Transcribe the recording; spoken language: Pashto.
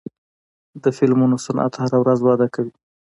د فلمونو صنعت هره ورځ وده کوي.